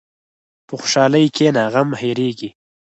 په خوشحالۍ کښېنه، غم هېرېږي.